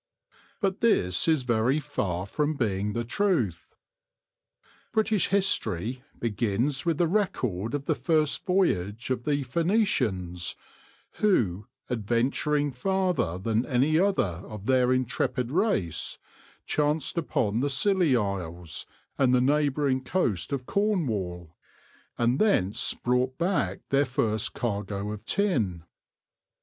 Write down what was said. * But this is very far from being the truth. British history begins with the record of the first voyage of the Phoenicians, who, adventuring farther than any other of their intrepid race, chanced upon the Scilly Isles and the neighbouring coast of Cornwall, and thence brought back their first cargo of tin.